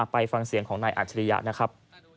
ฟังเสียงของนายอัจฉริยะนะครับ